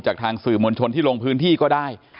ทางสื่อมวลชนที่ลงพื้นที่ก็ได้